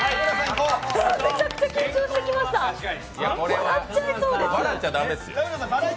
笑っちゃいそうです。